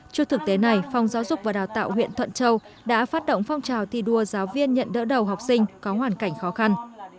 trước thực tế này phòng giáo dục và đào tạo huyện thuận châu đã phát động phong trào thi đua giáo viên nhận đỡ đầu học sinh có hoàn cảnh khó khăn